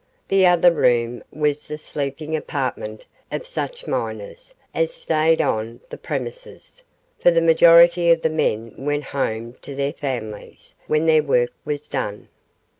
The other room was the sleeping apartment of such miners as stayed on the premises, for the majority of the men went home to their families when their work was done.